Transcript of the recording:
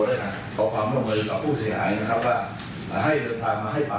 จากเจ้าของผู้เสียหายที่ได้มาบอกล่าวผ่านทางเพื่อนมา